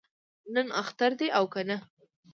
نن اختر دی او کنه؟